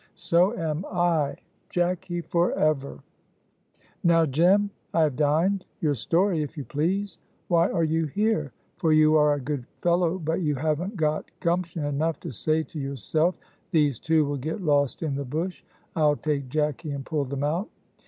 "So am I; Jacky forever!" "Now, Jem, I have dined. Your story, if you please. Why are you here? for you are a good fellow, but you haven't got gumption enough to say to yourself, 'These two will get lost in the bush, I'll take Jacky and pull them out.'"